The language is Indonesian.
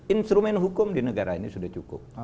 instrumen hukum di negara ini sudah cukup